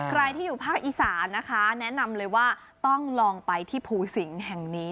ใครที่อยู่ภาคอีสานนะคะแนะนำเลยว่าต้องลองไปที่ภูสิงศ์แห่งนี้